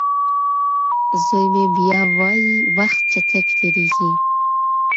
زوی مې بیا وايي وخت چټک تېریږي.